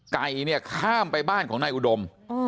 ไก่เนี่ยข้ามไปบ้านของนายอุดม